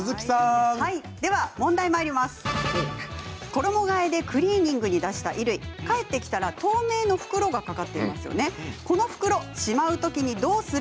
衣がえでクリーニングに出した衣類返ってきたら透明の袋がかかっていますよね。